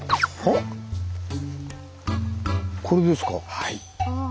はい。